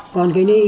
còn cái này